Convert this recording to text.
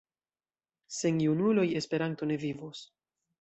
Sen junuloj Esperanto ne vivos.